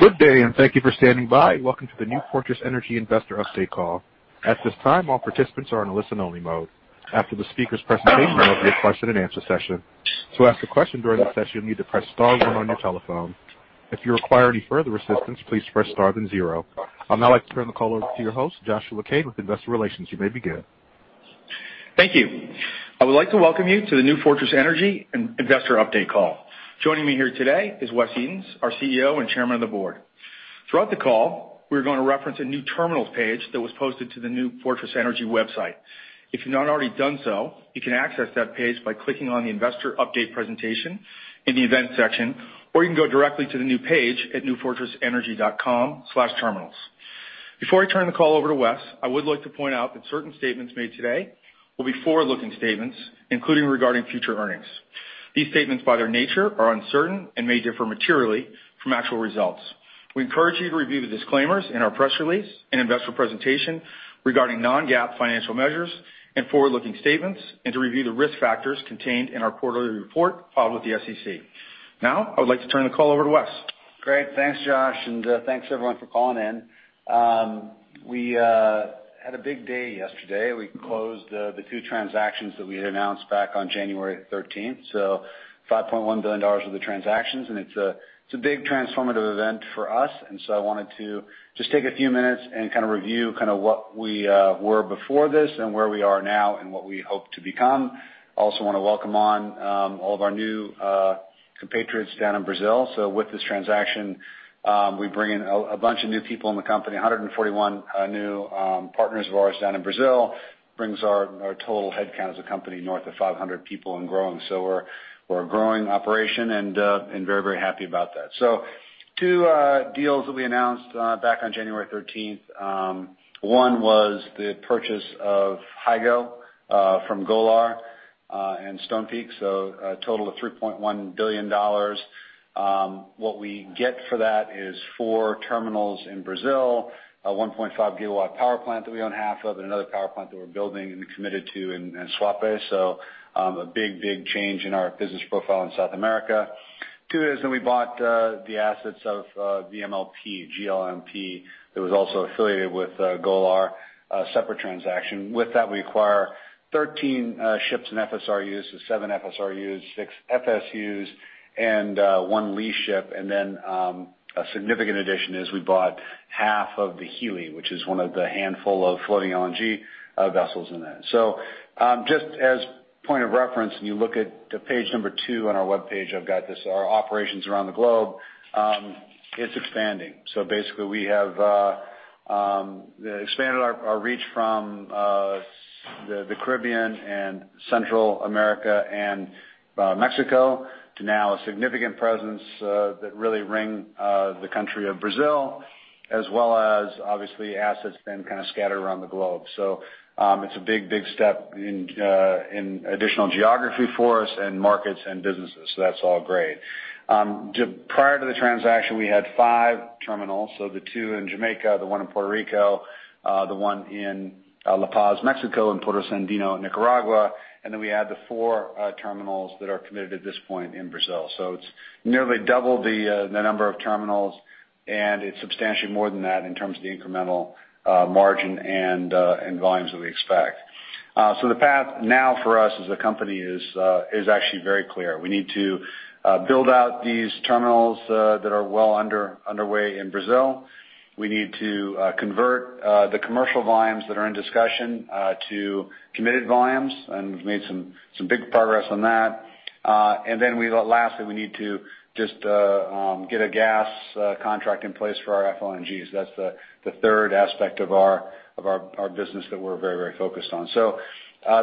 Good day, and thank you for standing by. Welcome to the New Fortress Energy investor update call. At this time, all participants are in a listen-only mode. After the speaker's presentation, there will be a question-and-answer session. To ask a question during the session, you'll need to press star one on your telephone. If you require any further assistance, please press star then zero. I'd now like to turn the call over to your host, Joshua Kane with Investor Relations. You may begin. Thank you. I would like to welcome you to the New Fortress Energy investor update call. Joining me here today is Wes Edens, our CEO and Chairman of the Board. Throughout the call, we're going to reference a new terminals page that was posted to the New Fortress Energy website. If you've not already done so, you can access that page by clicking on the Investor Update presentation in the event section, or you can go directly to the new page at NewFortressEnergy.com/terminals. Before I turn the call over to Wes, I would like to point out that certain statements made today will be forward-looking statements, including regarding future earnings. These statements, by their nature, are uncertain and may differ materially from actual results. We encourage you to review the disclaimers in our press release and investor presentation regarding non-GAAP financial measures and forward-looking statements, and to review the risk factors contained in our quarterly report filed with the SEC. Now, I would like to turn the call over to Wes. Great. Thanks, Josh, and thanks everyone for calling in. We had a big day yesterday. We closed the two transactions that we had announced back on January 13th, so $5.1 billion worth of transactions. And it's a big transformative event for us. And so I wanted to just take a few minutes and kind of review kind of what we were before this and where we are now and what we hope to become. I also want to welcome on all of our new compatriots down in Brazil. So with this transaction, we bring in a bunch of new people in the company, 141 new partners of ours down in Brazil. Brings our total headcount as a company north of 500 people and growing. So we're a growing operation and very, very happy about that. So two deals that we announced back on January 13th. One was the purchase of Hygo from Golar and Stonepeak, so a total of $3.1 billion. What we get for that is four terminals in Brazil, a 1.5 GW power plant that we own half of, and another power plant that we're building and committed to in Suape. So a big, big change in our business profile in South America. Two is that we bought the assets of GMLP, that was also affiliated with Golar, a separate transaction. With that, we acquire 13 ships in FSRUs, so seven FSRUs, six FSUs, and one lease ship. And then a significant addition is we bought half of the Hilli, which is one of the handful of floating LNG vessels in there. So just as point of reference, when you look at page number two on our web page, I've got this, our operations around the globe, it's expanding. So basically, we have expanded our reach from the Caribbean and Central America and Mexico to now a significant presence that really rings the country of Brazil, as well as obviously assets then kind of scattered around the globe. So it's a big, big step in additional geography for us and markets and businesses. So that's all great. Prior to the transaction, we had five terminals, so the two in Jamaica, the one in Puerto Rico, the one in La Paz, Mexico, and Puerto Sandino, Nicaragua. And then we add the four terminals that are committed at this point in Brazil. So it's nearly double the number of terminals, and it's substantially more than that in terms of the incremental margin and volumes that we expect. So the path now for us as a company is actually very clear. We need to build out these terminals that are well underway in Brazil. We need to convert the commercial volumes that are in discussion to committed volumes, and we've made some big progress on that. And then lastly, we need to just get a gas contract in place for our FLNGs. That's the third aspect of our business that we're very, very focused on. So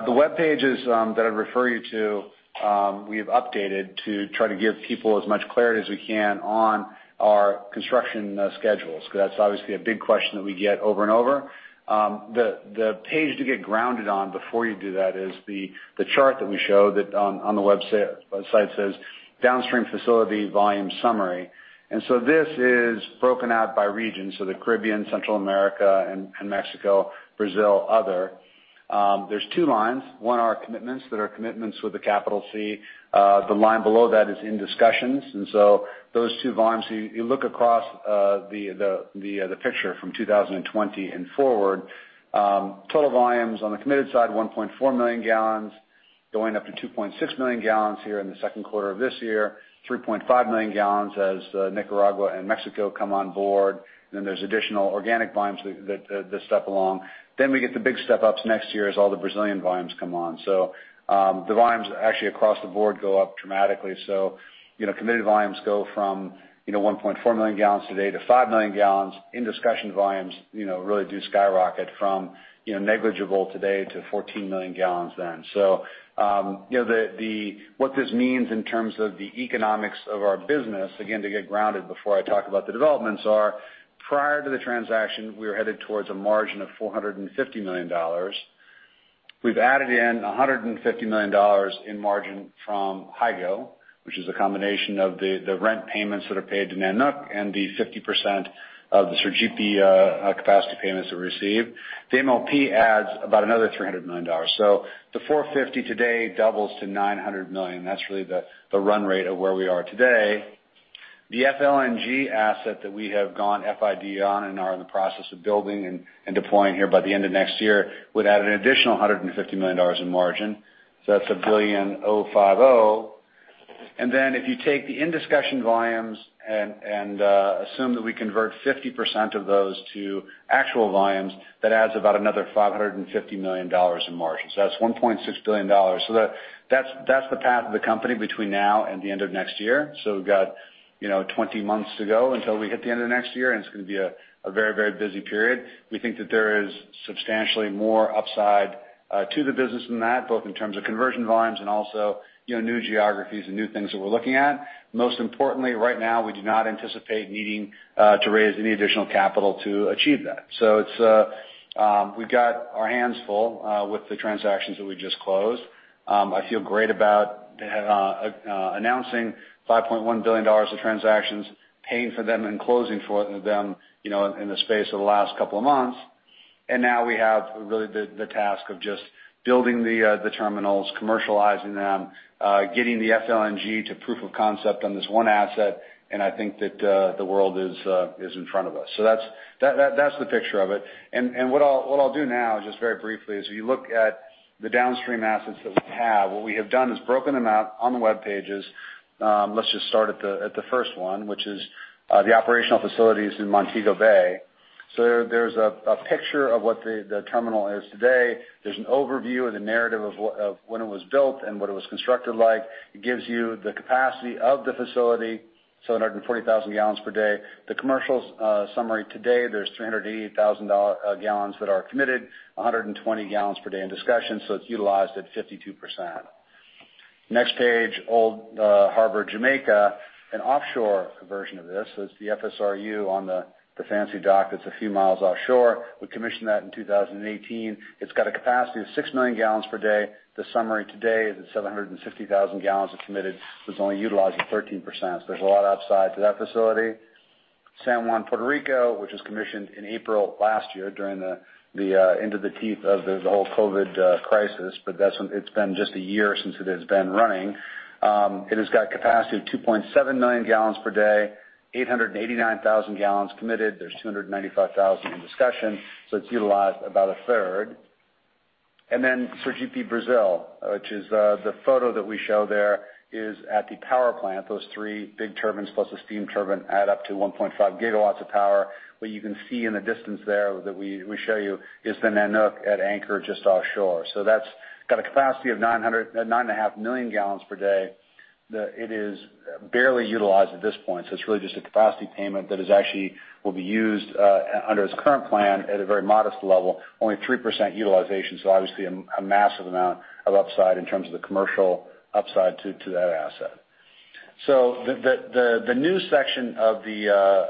the web pages that I'd refer you to, we have updated to try to give people as much clarity as we can on our construction schedules, because that's obviously a big question that we get over and over. The page to get grounded on before you do that is the chart that we show that on the website says, "Downstream Facility Volume Summary." And so this is broken out by region, so the Caribbean, Central America, and Mexico, Brazil, other. There's two lines. On our Commitments that are Commitments with a capital C. The line below that is in discussions. And so those two volumes, you look across the picture from 2020 and forward, total volumes on the committed side, 1.4 million gal, going up to 2.6 million gal here in the second quarter of this year, 3.5 million gal as Nicaragua and Mexico come on board. And then there's additional organic volumes that step along. Then we get the big step ups next year as all the Brazilian volumes come on. So the volumes actually across the board go up dramatically. So committed volumes go from 1.4 million gal today to 5 million gal. In discussion volumes really do skyrocket from negligible today to 14 million gal then. So what this means in terms of the economics of our business, again, to get grounded before I talk about the developments are, prior to the transaction, we were headed towards a margin of $450 million. We've added in $150 million in margin from Hygo, which is a combination of the rent payments that are paid to Nanook and the 50% of the Sergipe capacity payments that we receive. The MLP adds about another $300 million. So the $450 million today doubles to $900 million. That's really the run rate of where we are today. The FLNG asset that we have gone FID on and are in the process of building and deploying here by the end of next year would add an additional $150 million in margin. So that's $1.05 billion. And then if you take the in-discussion volumes and assume that we convert 50% of those to actual volumes, that adds about another $550 million in margin. So that's $1.6 billion. So that's the path of the company between now and the end of next year. So we've got 20 months to go until we hit the end of next year, and it's going to be a very, very busy period. We think that there is substantially more upside to the business than that, both in terms of conversion volumes and also new geographies and new things that we're looking at. Most importantly, right now, we do not anticipate needing to raise any additional capital to achieve that. So we've got our hands full with the transactions that we just closed. I feel great about announcing $5.1 billion of transactions, paying for them and closing for them in the space of the last couple of months, and now we have really the task of just building the terminals, commercializing them, getting the FLNG to proof of concept on this one asset. And I think that the world is in front of us, so that's the picture of it, and what I'll do now, just very briefly, is if you look at the downstream assets that we have, what we have done is broken them out on the web pages. Let's just start at the first one, which is the operational facilities in Montego Bay. So there's a picture of what the terminal is today. There's an overview of the narrative of when it was built and what it was constructed like. It gives you the capacity of the facility, 740,000 gal per day. The commercial summary today, there's 388,000 gal that are committed, 120,000 gal per day in discussion. It's utilized at 52%. Next page, Old Harbour, Jamaica, an offshore version of this. It's the FSRU on the fancy dock that's a few miles offshore. We commissioned that in 2018. It's got a capacity of 6 million gal per day. The summary today is at 750,000 gal committed. It was only utilized at 13%. There's a lot of upside to that facility. San Juan, Puerto Rico, which was commissioned in April last year in the teeth of the whole COVID crisis, but it's been just a year since it has been running. It has got a capacity of 2.7 million gal per day, 889,000 gal committed. There's 295,000 in discussion. It's utilized about a third. And then Sergipe, Brazil, which is the photo that we show there, is at the power plant. Those three big turbines plus a steam turbine add up to 1.5 GW of power. What you can see in the distance there that we show you is the Nanook at anchor just offshore. That's got a capacity of 9.5 million gal per day. It is barely utilized at this point. It's really just a capacity payment that actually will be used under its current plan at a very modest level, only 3% utilization. Obviously a massive amount of upside in terms of the commercial upside to that asset. The new section of the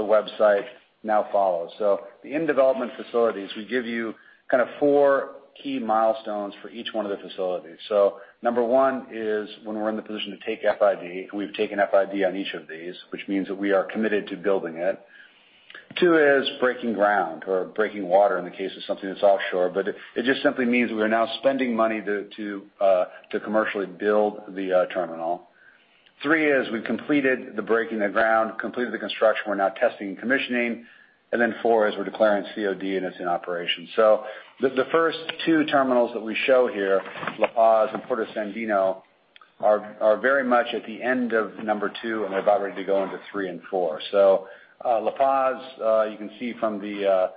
website now follows. The in-development facilities, we give you kind of four key milestones for each one of the facilities. Number one is when we're in the position to take FID. We've taken FID on each of these, which means that we are committed to building it. Two is breaking ground or breaking water in the case of something that's offshore. But it just simply means that we are now spending money to commercially build the terminal. Three is we've completed the breaking of ground, completed the construction. We're now testing and commissioning. And then four is we're declaring COD, and it's in operation. The first two terminals that we show here, La Paz and Puerto Sandino, are very much at the end of number two, and they're about ready to go into three and four. La Paz, you can see from the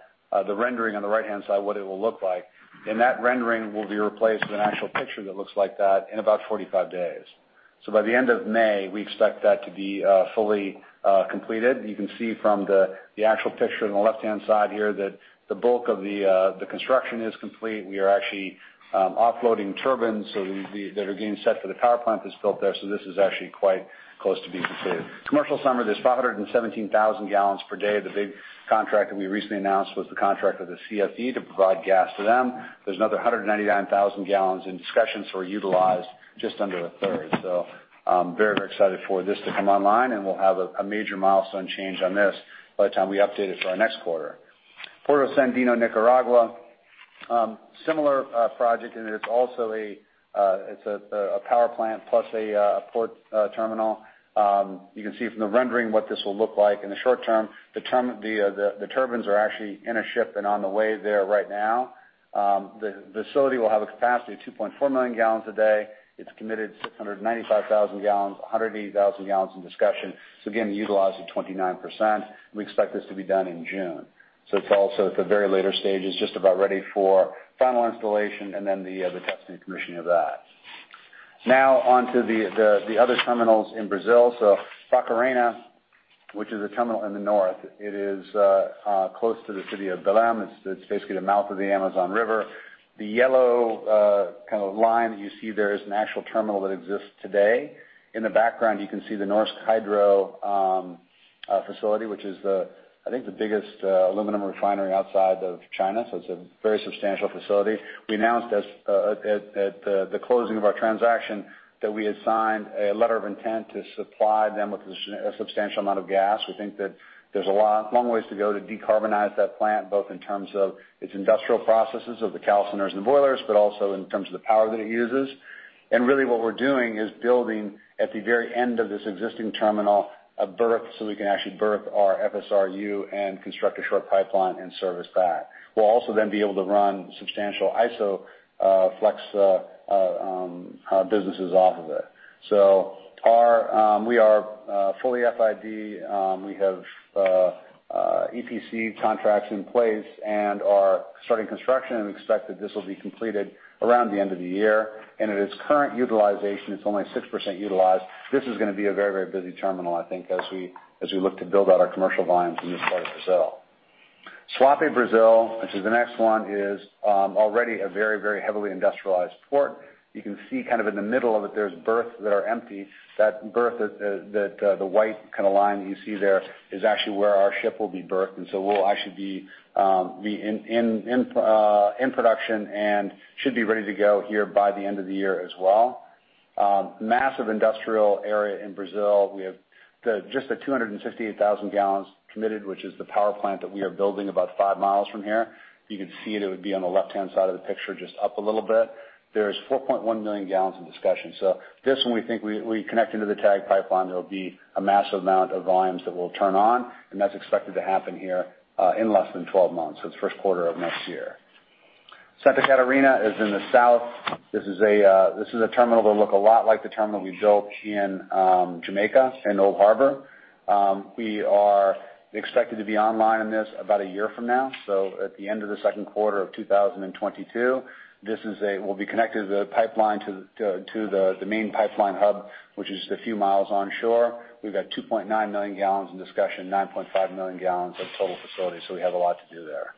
rendering on the right-hand side what it will look like. That rendering will be replaced with an actual picture that looks like that in about 45 days. By the end of May, we expect that to be fully completed. You can see from the actual picture on the left-hand side here that the bulk of the construction is complete. We are actually offloading turbines that are getting set for the power plant that's built there. This is actually quite close to being completed. Commercial summary: there's 517,000 gal per day. The big contract that we recently announced was the contract with the CFE to provide gas to them. There's another 199,000 gal in discussion. We're utilized just under a third. Very, very excited for this to come online, and we'll have a major milestone change on this by the time we update it for our next quarter. Puerto Sandino, Nicaragua, similar project, and it's also a power plant plus a port terminal. You can see from the rendering what this will look like in the short term. The turbines are actually in a ship and on the way there right now. The facility will have a capacity of 2.4 million gal a day. It's committed 695,000 gal, 180,000 gal in discussion, so again, utilized at 29%. We expect this to be done in June. So it's also at the very later stages, just about ready for final installation and then the testing and commissioning of that. Now on to the other terminals in Brazil, so Barcarena, which is a terminal in the north, it is close to the city of Belém. It's basically the mouth of the Amazon River. The yellow kind of line that you see there is an actual terminal that exists today. In the background, you can see the Norsk Hydro facility, which is, I think, the biggest aluminum refinery outside of China, so it's a very substantial facility. We announced at the closing of our transaction that we had signed a letter of intent to supply them with a substantial amount of gas. We think that there's a long ways to go to decarbonize that plant, both in terms of its industrial processes of the calciners and boilers, but also in terms of the power that it uses, and really what we're doing is building at the very end of this existing terminal a berth so we can actually berth our FSRU and construct a short pipeline and service that. We'll also then be able to run substantial ISO Flex businesses off of it, so we are fully FID. We have EPC contracts in place and are starting construction. We expect that this will be completed around the end of the year, and at its current utilization, it's only 6% utilized. This is going to be a very, very busy terminal, I think, as we look to build out our commercial volumes in this part of Brazil. Suape, Brazil, which is the next one, is already a very, very heavily industrialized port. You can see kind of in the middle of it, there's berths that are empty. That berth, that white kind of line that you see there, is actually where our ship will be berthed, and so we'll actually be in production and should be ready to go here by the end of the year as well. Massive industrial area in Brazil. We have just a 268,000 gal committed, which is the power plant that we are building about five miles from here. You can see it. It would be on the left-hand side of the picture just up a little bit. There's 4.1 million gal in discussion, so this one, we think we connect into the TAG pipeline. There will be a massive amount of volumes that will turn on, and that's expected to happen here in less than 12 months, so it's the first quarter of next year. Santa Catarina is in the south. This is a terminal that will look a lot like the terminal we built in Jamaica in Old Harbour. We are expected to be online in this about a year from now, so at the end of the second quarter of 2022, this will be connected to the pipeline to the main pipeline hub, which is just a few miles onshore. We've got 2.9 million gal in discussion, 9.5 million gal of total facility. So we have a lot to do there.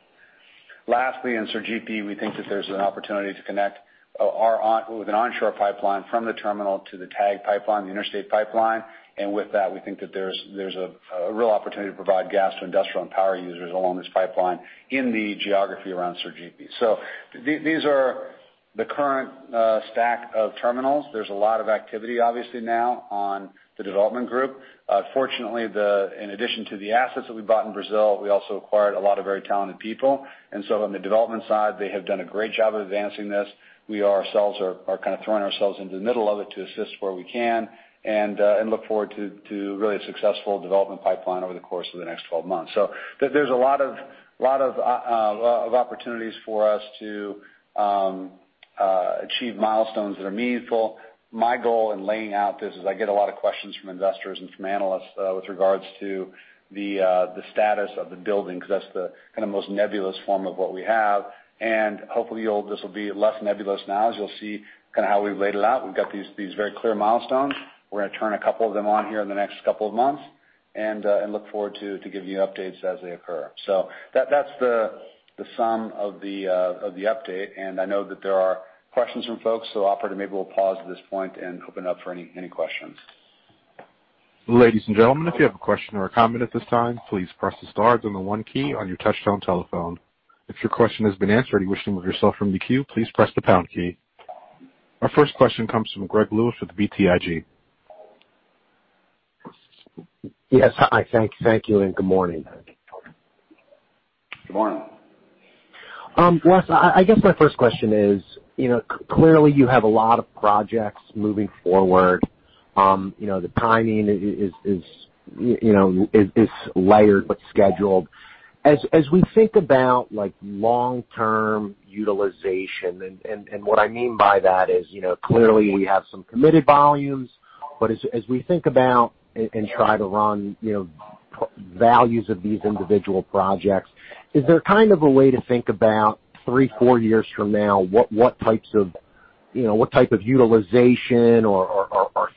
Lastly, in Sergipe, we think that there's an opportunity to connect with an onshore pipeline from the terminal to the TAG pipeline, the interstate pipeline. And with that, we think that there's a real opportunity to provide gas to industrial and power users along this pipeline in the geography around Sergipe. So these are the current stack of terminals. There's a lot of activity, obviously, now on the development group. Fortunately, in addition to the assets that we bought in Brazil, we also acquired a lot of very talented people. And so on the development side, they have done a great job of advancing this. We ourselves are kind of throwing ourselves into the middle of it to assist where we can and look forward to really a successful development pipeline over the course of the next 12 months. So there's a lot of opportunities for us to achieve milestones that are meaningful. My goal in laying out this is I get a lot of questions from investors and from analysts with regards to the status of the building because that's the kind of most nebulous form of what we have. And hopefully, this will be less nebulous now as you'll see kind of how we've laid it out. We've got these very clear milestones. We're going to turn a couple of them on here in the next couple of months and look forward to giving you updates as they occur. So that's the sum of the update. And I know that there are questions from folks. So Operator, maybe we'll pause at this point and open up for any questions. Ladies and gentlemen, if you have a question or a comment at this time, please press the star and the one key on your touch-tone telephone. If your question has been answered or you wish to remove yourself from the queue, please press the pound key. Our first question comes from Greg Lewis with BTIG. Yes. Hi. Thank you and good morning. Good morning. Well, I guess my first question is, clearly, you have a lot of projects moving forward. The timing is layered, but scheduled. As we think about long-term utilization, and what I mean by that is clearly we have some committed volumes, but as we think about and try to run values of these individual projects, is there kind of a way to think about three, four years from now, what type of utilization or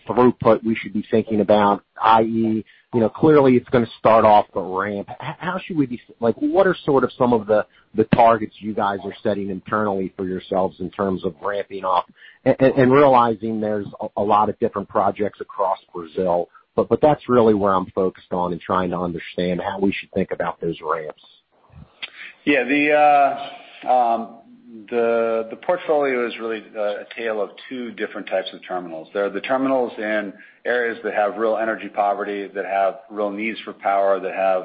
throughput we should be thinking about, i.e., clearly, it's going to start off the ramp. How should we be, what are sort of some of the targets you guys are setting internally for yourselves in terms of ramping up and realizing there's a lot of different projects across Brazil, but that's really where I'm focused on and trying to understand how we should think about those ramps. Yeah. The portfolio is really a tale of two different types of terminals. There are the terminals in areas that have real energy poverty, that have real needs for power, that have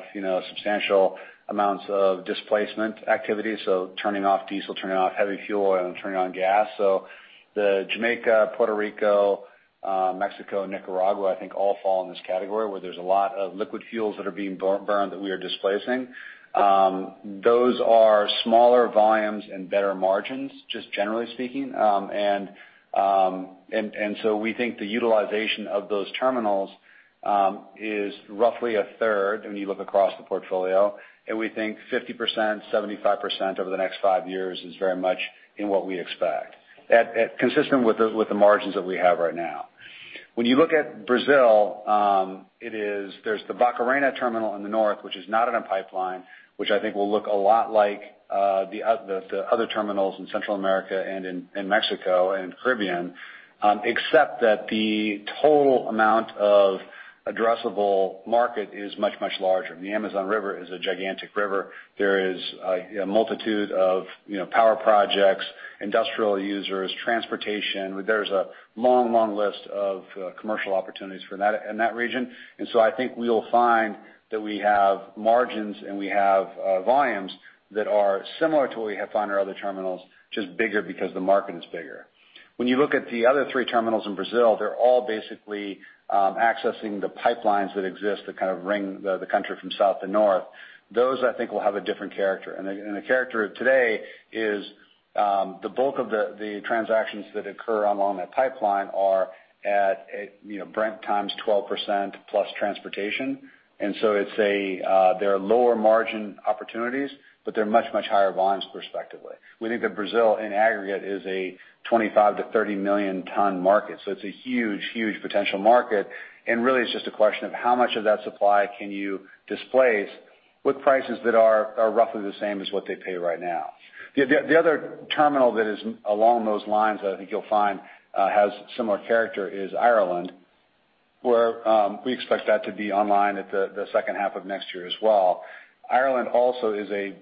substantial amounts of displacement activity. So turning off diesel, turning off heavy fuel, and turning on gas. So the Jamaica, Puerto Rico, Mexico, and Nicaragua, I think, all fall in this category where there's a lot of liquid fuels that are being burned that we are displacing. Those are smaller volumes and better margins, just generally speaking. And so we think the utilization of those terminals is roughly a third when you look across the portfolio. And we think 50%, 75% over the next five years is very much in what we expect, consistent with the margins that we have right now. When you look at Brazil, there's the Barcarena terminal in the north, which is not in a pipeline, which I think will look a lot like the other terminals in Central America and in Mexico and Caribbean, except that the total amount of addressable market is much, much larger. The Amazon River is a gigantic river. There is a multitude of power projects, industrial users, transportation. There's a long, long list of commercial opportunities in that region. And so I think we'll find that we have margins and we have volumes that are similar to what we have found in our other terminals, just bigger because the market is bigger. When you look at the other three terminals in Brazil, they're all basically accessing the pipelines that exist that kind of ring the country from south to north. Those, I think, will have a different character. The characteristic today is the bulk of the transactions that occur along that pipeline are at Brent times 12% plus transportation. So they're lower margin opportunities, but they're much, much higher volumes prospectively. We think that Brazil in aggregate is a 25 million-30 million ton market. It's a huge, huge potential market. Really, it's just a question of how much of that supply can you displace with prices that are roughly the same as what they pay right now. The other terminal that is along those lines that I think you'll find has similar character is Ireland, where we expect that to be online at the second half of next year as well. Ireland also is a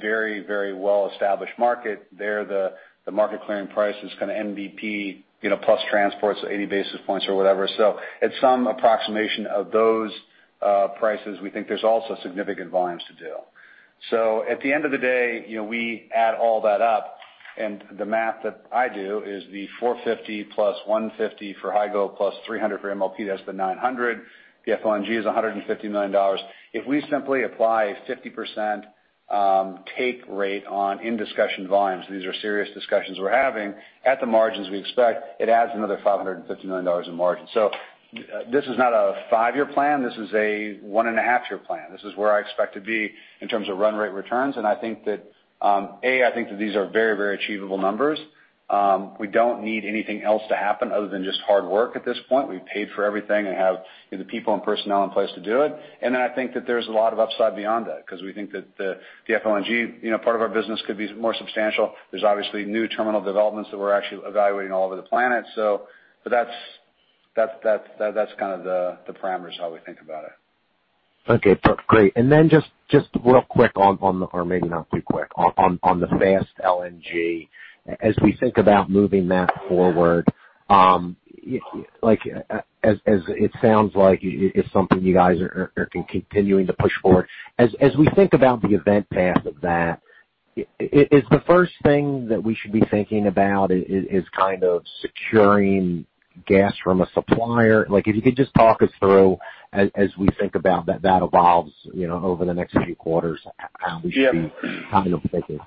very, very well-established market. There, the market clearing price is kind of NBP plus transport, so 80 basis points or whatever. So at some approximation of those prices, we think there's also significant volumes to do. So at the end of the day, we add all that up. And the math that I do is the 450 + 150 for Hygo + 300 for MLP. That's the 900. The FLNG is $150 million. If we simply apply a 50% take rate on in-discussion volumes, these are serious discussions we're having, at the margins we expect, it adds another $550 million in margin. So this is not a five-year plan. This is a one-and-a-half-year plan. This is where I expect to be in terms of run rate returns. And I think that, A, I think that these are very, very achievable numbers. We don't need anything else to happen other than just hard work at this point. We've paid for everything and have the people and personnel in place to do it. And then I think that there's a lot of upside beyond that because we think that the FLNG, part of our business, could be more substantial. There's obviously new terminal developments that we're actually evaluating all over the planet. But that's kind of the parameters of how we think about it. Okay. Great. And then just real quick on, or maybe not too quick, on the Fast LNG, as we think about moving that forward, as it sounds like it's something you guys are continuing to push forward, as we think about the event path of that, is the first thing that we should be thinking about is kind of securing gas from a supplier. If you could just talk us through as we think about that evolves over the next few quarters, how we should be kind of thinking.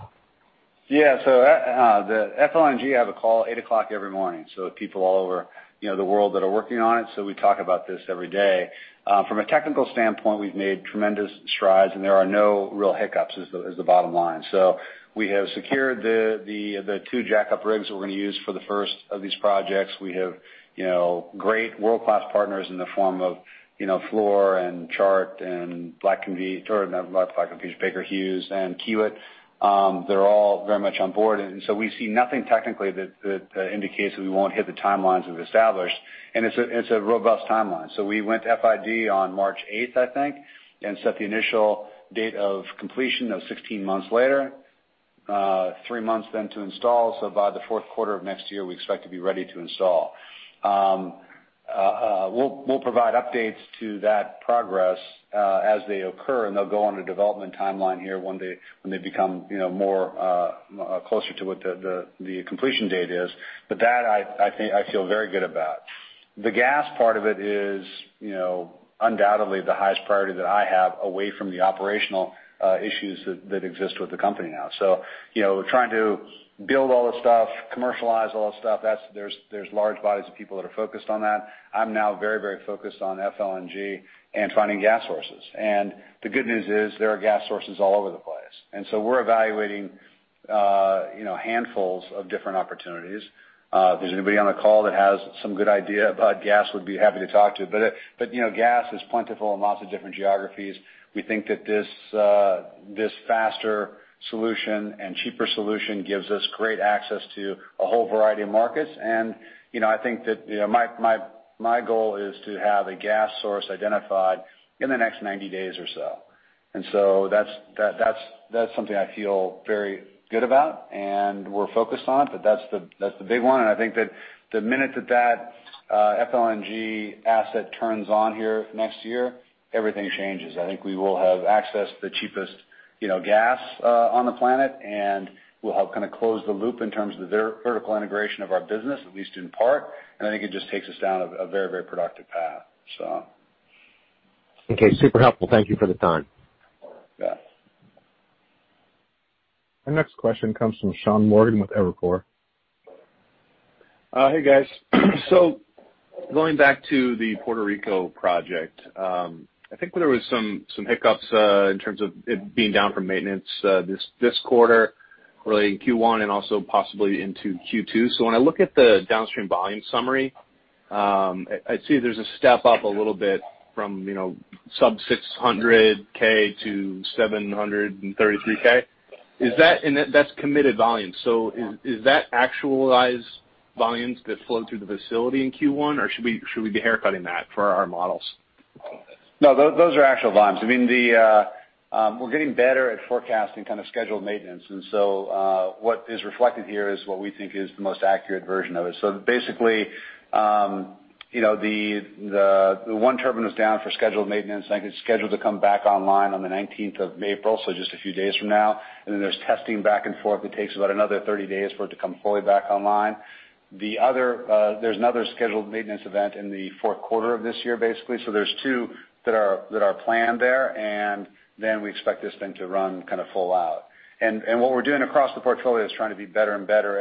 Yeah. The FLNG. I have a call at 8:00 A.M. every morning. People all over the world that are working on it. We talk about this every day. From a technical standpoint, we've made tremendous strides, and there are no real hiccups, is the bottom line. We have secured the two jack-up rigs that we're going to use for the first of these projects. We have great world-class partners in the form of Fluor and Chart and Black & Veatch, or not Black & Veatch, Baker Hughes and Kiewit. They are all very much on board. We see nothing technically that indicates that we won't hit the timelines we've established. It is a robust timeline. We went to FID on March 8th, I think, and set the initial date of completion of 16 months later, three months then to install. So by the fourth quarter of next year, we expect to be ready to install. We'll provide updates to that progress as they occur, and they'll go on a development timeline here when they become more closer to what the completion date is. But that, I feel very good about. The gas part of it is undoubtedly the highest priority that I have away from the operational issues that exist with the company now. So we're trying to build all the stuff, commercialize all the stuff. There's large bodies of people that are focused on that. I'm now very, very focused on FLNG and finding gas sources. And the good news is there are gas sources all over the place. And so we're evaluating handfuls of different opportunities. If there's anybody on the call that has some good idea about gas, we'd be happy to talk to you. But gas is plentiful in lots of different geographies. We think that this faster solution and cheaper solution gives us great access to a whole variety of markets. And I think that my goal is to have a gas source identified in the next 90 days or so. And so that's something I feel very good about, and we're focused on it, but that's the big one. And I think that the minute that that FLNG asset turns on here next year, everything changes. I think we will have access to the cheapest gas on the planet, and we'll help kind of close the loop in terms of the vertical integration of our business, at least in part. And I think it just takes us down a very, very productive path, so. Okay. Super helpful. Thank you for the time. Yeah. Our next question comes from Sean Morgan with Evercore. Hey, guys. So going back to the Puerto Rico project, I think there were some hiccups in terms of it being down for maintenance this quarter, really in Q1 and also possibly into Q2. So when I look at the downstream volume summary, I see there's a step up a little bit from sub-600K to 733K. And that's committed volumes. So is that actualized volumes that flow through the facility in Q1, or should we be haircutting that for our models? No, those are actual volumes. I mean, we're getting better at forecasting kind of scheduled maintenance. And so what is reflected here is what we think is the most accurate version of it. So basically, the one turbine was down for scheduled maintenance. I think it's scheduled to come back online on the 19th of April, so just a few days from now. And then there's testing back and forth that takes about another 30 days for it to come fully back online. There's another scheduled maintenance event in the fourth quarter of this year, basically. So there's two that are planned there, and then we expect this thing to run kind of full out. And what we're doing across the portfolio is trying to be better and better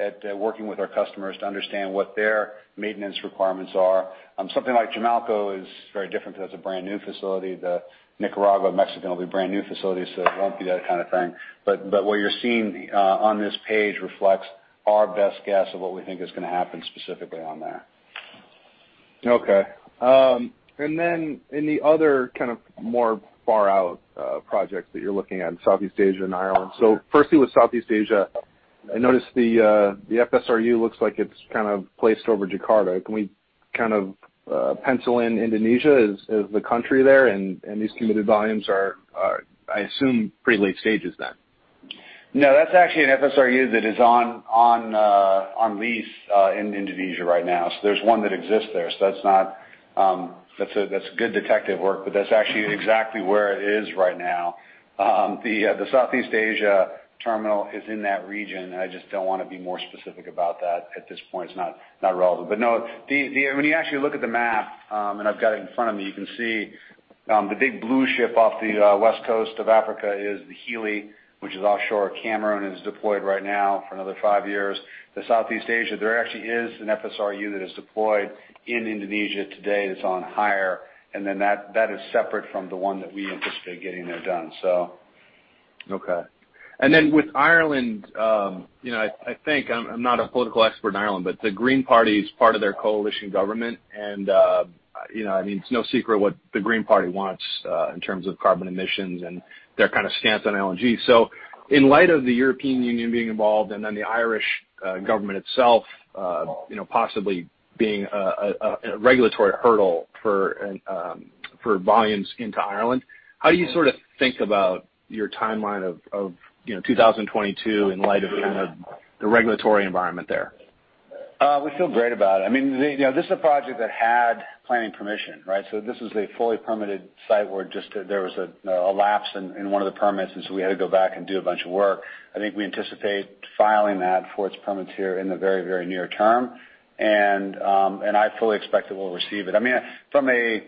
at working with our customers to understand what their maintenance requirements are. Something like Jamaica is very different because that's a brand new facility. The Nicaragua, Mexico will be brand new facilities, so it won't be that kind of thing. But what you're seeing on this page reflects our best guess of what we think is going to happen specifically on there. Okay. And then in the other kind of more far-out projects that you're looking at, Southeast Asia and Ireland. So, firstly, with Southeast Asia, I noticed the FSRU looks like it's kind of placed over Jakarta. Can we kind of pencil in Indonesia as the country there? And these committed volumes are, I assume, pretty late stages then. No, that's actually an FSRU that is on lease in Indonesia right now. So there's one that exists there. So that's good detective work, but that's actually exactly where it is right now. The Southeast Asia terminal is in that region. I just don't want to be more specific about that at this point. It's not relevant. But no, when you actually look at the map, and I've got it in front of me, you can see the big blue ship off the west coast of Africa is the Hilli, which is offshore Cameroon. It is deployed right now for another five years. In Southeast Asia, there actually is an FSRU that is deployed in Indonesia today that's on hire. And then that is separate from the one that we anticipate getting there done, so. Okay. And then with Ireland, I think I'm not a political expert in Ireland, but the Green Party is part of their coalition government. And I mean, it's no secret what the Green Party wants in terms of carbon emissions and their kind of stance on LNG. So in light of the European Union being involved and then the Irish government itself possibly being a regulatory hurdle for volumes into Ireland, how do you sort of think about your timeline of 2022 in light of kind of the regulatory environment there? We feel great about it. I mean, this is a project that had planning permission, right? This is a fully permitted site where there was a lapse in one of the permits, and so we had to go back and do a bunch of work. I think we anticipate filing that for its permits here in the very, very near term. And I fully expect that we'll receive it. I mean, from an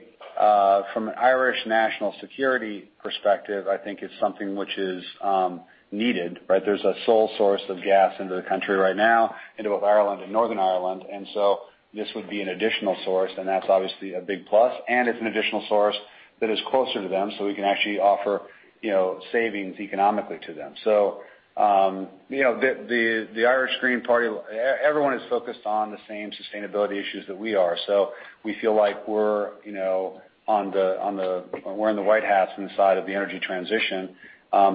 Irish national security perspective, I think it's something which is needed, right? There's a sole source of gas into the country right now, into both Ireland and Northern Ireland. And so this would be an additional source, and that's obviously a big plus. And it's an additional source that is closer to them, so we can actually offer savings economically to them. So the Irish Green Party, everyone is focused on the same sustainability issues that we are. So we feel like we're in the white hats on the side of the energy transition.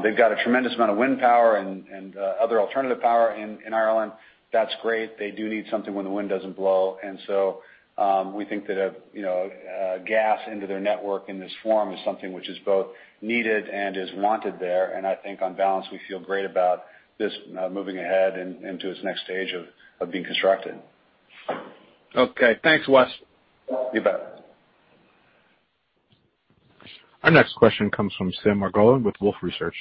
They've got a tremendous amount of wind power and other alternative power in Ireland. That's great. They do need something when the wind doesn't blow. And so we think that gas into their network in this form is something which is both needed and is wanted there. And I think on balance, we feel great about this moving ahead into its next stage of being constructed. Okay. Thanks, Wes. You bet. Our next question comes from Sam Margolin with Wolfe Research.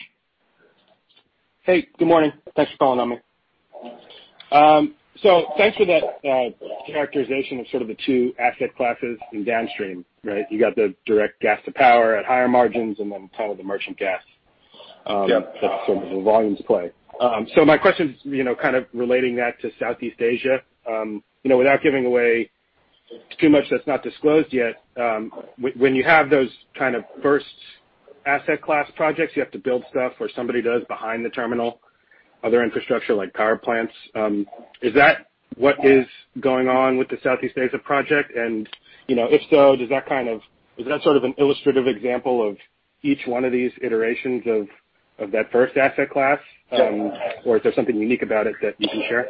Hey, good morning. Thanks for calling on me. So thanks for that characterization of sort of the two asset classes in downstream, right? You got the direct gas to power at higher margins and then kind of the merchant gas. That's sort of the volumes play. So my question is kind of relating that to Southeast Asia. Without giving away too much that's not disclosed yet, when you have those kind of first asset class projects, you have to build stuff or somebody does behind the terminal, other infrastructure like power plants. Is that what is going on with the Southeast Asia project? And if so, does that kind of is that sort of an illustrative example of each one of these iterations of that first asset class, or is there something unique about it that you can share?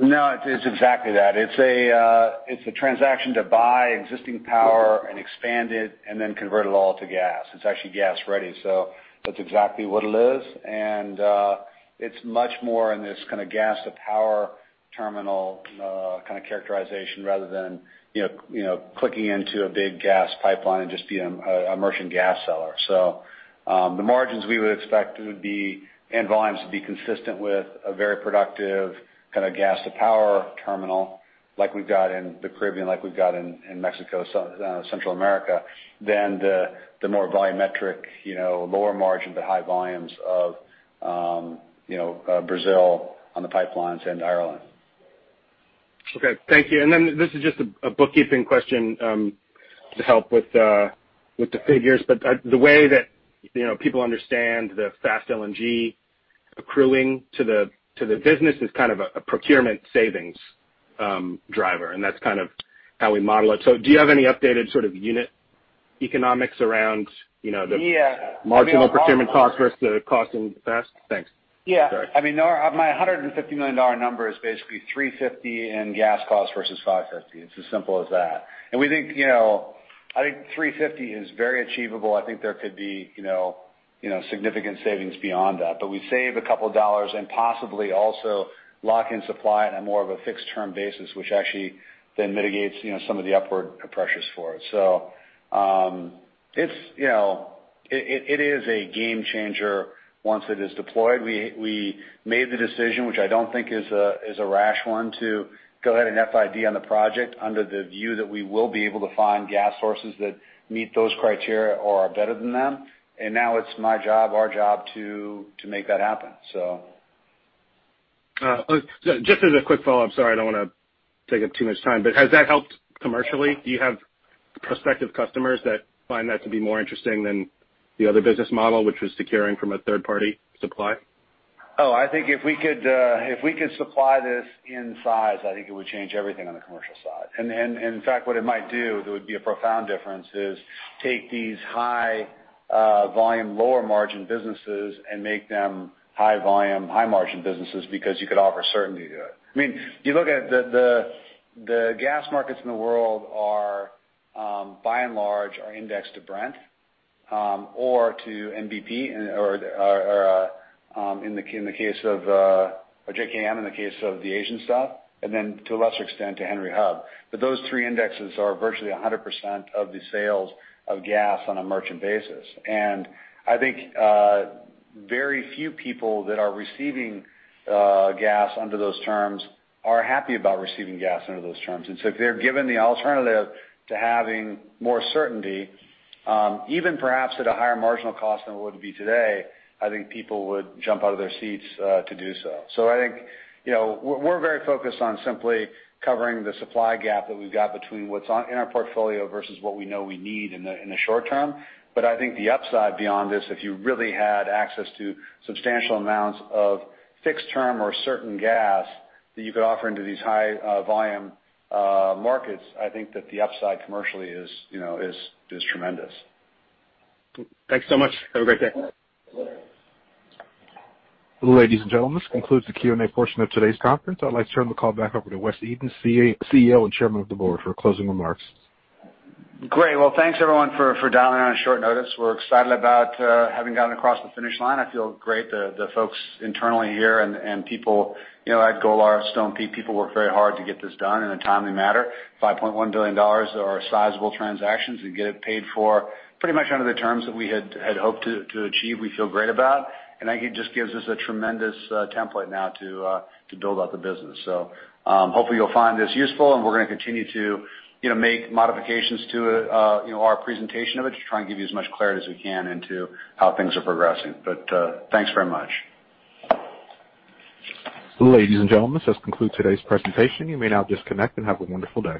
No, it's exactly that. It's a transaction to buy existing power and expand it and then convert it all to gas. It's actually gas ready. So that's exactly what it is. And it's much more in this kind of gas to power terminal kind of characterization rather than clicking into a big gas pipeline and just being a merchant gas seller. So the margins we would expect would be and volumes would be consistent with a very productive kind of gas to power terminal like we've got in the Caribbean, like we've got in Mexico, Central America, than the more volumetric, lower margin, but high volumes of Brazil on the pipelines and Ireland. Okay. Thank you. And then this is just a bookkeeping question to help with the figures. But the way that people understand the Fast LNG accruing to the business is kind of a procurement savings driver. And that's kind of how we model it. So do you have any updated sort of unit economics around the marginal procurement cost versus the cost in the past? Thanks. Yeah. I mean, my $150 million number is basically $350 in gas cost versus $550. It's as simple as that. We think I think $350 is very achievable. I think there could be significant savings beyond that. But we save a couple of dollars and possibly also lock in supply on a more of a fixed-term basis, which actually then mitigates some of the upward pressures for it. So it is a game changer once it is deployed. We made the decision, which I don't think is a rash one, to go ahead and FID on the project under the view that we will be able to find gas sources that meet those criteria or are better than them. Now it's my job, our job to make that happen, so. Just as a quick follow-up, sorry, I don't want to take up too much time, but has that helped commercially? Do you have prospective customers that find that to be more interesting than the other business model, which was securing from a third-party supply? Oh, I think if we could supply this in size, I think it would change everything on the commercial side. And in fact, what it might do that would be a profound difference is take these high-volume, lower-margin businesses and make them high-volume, high-margin businesses because you could offer certainty to it. I mean, you look at the gas markets in the world, by and large, are indexed to Brent or to NBP or, in the case of JKM, in the case of the Asian stuff, and then to a lesser extent to Henry Hub. But those three indexes are virtually 100% of the sales of gas on a merchant basis. And I think very few people that are receiving gas under those terms are happy about receiving gas under those terms. And so if they're given the alternative to having more certainty, even perhaps at a higher marginal cost than it would be today, I think people would jump out of their seats to do so. So I think we're very focused on simply covering the supply gap that we've got between what's in our portfolio versus what we know we need in the short term. But I think the upside beyond this, if you really had access to substantial amounts of fixed-term or certain gas that you could offer into these high-volume markets, I think that the upside commercially is tremendous. Thanks so much. Have a great day. Ladies and gentlemen, this concludes the Q&A portion of today's conference. I'd like to turn the call back over to Wes Edens, CEO and Chairman of the Board, for closing remarks. Great. Well, thanks everyone for dialing on a short notice. We're excited about having gotten across the finish line. I feel great. The folks internally here and people at Golar and Stonepeak, people worked very hard to get this done in a timely manner. $5.1 billion are sizable transactions and get it paid for pretty much under the terms that we had hoped to achieve. We feel great about it, and I think it just gives us a tremendous template now to build out the business. So hopefully you'll find this useful, and we're going to continue to make modifications to our presentation of it to try and give you as much clarity as we can into how things are progressing. But thanks very much. Ladies and gentlemen, this has concluded today's presentation. You may now disconnect and have a wonderful day.